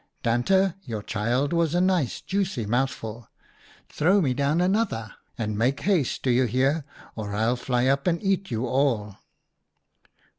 ' Tante, your child was a nice, juicy mouthful. Throw me down another. And make haste, do you hear ? or I'll fly up and eat you all.'